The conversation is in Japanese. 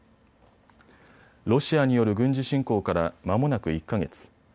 ロシアによる軍事侵攻からまもなく１か月。